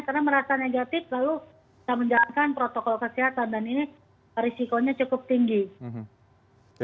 karena merasa negatif lalu tidak menjalankan protokol kesehatan